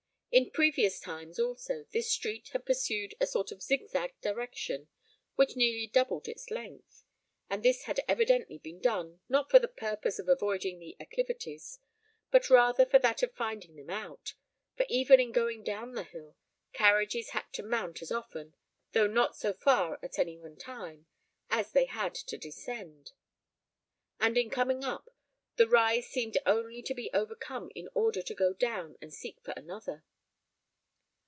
In previous times, also, this street had pursued a sort of zigzag direction, which nearly doubled its length, and this had evidently been done, not for the purpose of avoiding the acclivities, but rather for that of finding them out; for even in going down the hill, carriages had to mount as often, though not so far at any one time, as they had to descend; and in coming up, one rise seemed only to be overcome in order to go down and seek for another.